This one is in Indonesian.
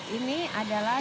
ini adalah coklat